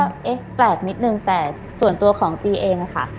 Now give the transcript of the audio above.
ก็เอ๊ะแปลกนิดนึงแต่ส่วนตัวของจีเองอะค่ะ